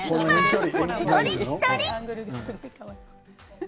とりっとり！